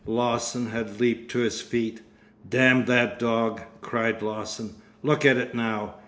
Lawson had leapt to his feet. 'Damn that dog!' cried Lawson. 'Look at it now.